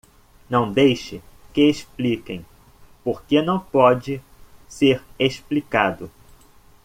Não deixe que expliquem, porque não pode ser explicado!